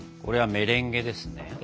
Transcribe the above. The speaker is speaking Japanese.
これはメレンゲですね？